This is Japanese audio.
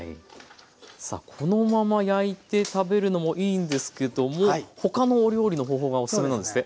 さあこのまま焼いて食べるのもいいんですけども他のお料理の方法がおすすめなんですって。